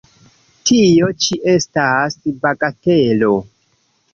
Tio ĉi estas bagatelo!